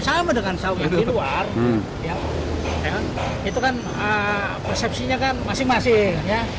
sama dengan saung yang di luar itu kan persepsinya kan masing masing ya